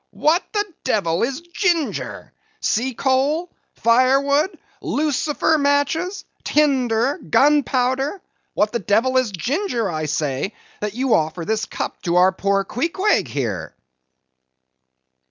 —what the devil is ginger? Sea coal? firewood?—lucifer matches?—tinder?—gunpowder?—what the devil is ginger, I say, that you offer this cup to our poor Queequeg here."